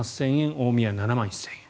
大宮、７万１０００円。